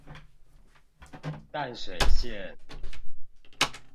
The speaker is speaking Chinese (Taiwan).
淡水線